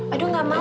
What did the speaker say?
aduh nggak mau